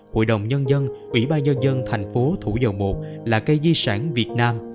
hội đồng nhân dân ủy ba nhân dân tp thủ dầu một là cây di sản việt nam